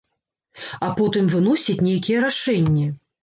А потым выносіць нейкія рашэнні.